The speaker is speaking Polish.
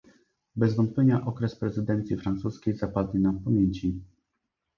Bez wątpienia okres prezydencji francuskiej zapadnie nam w pamięć